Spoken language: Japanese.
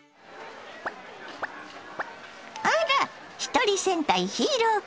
あらひとり戦隊ヒーロー君。